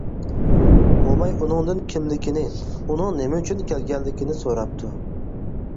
موماي ئۇنىڭدىن كىملىكىنى، ئۇنىڭ نېمە ئۈچۈن كەلگەنلىكىنى سوراپتۇ.